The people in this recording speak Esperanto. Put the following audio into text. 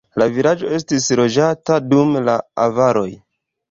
La vilaĝo estis loĝata dum la avaroj.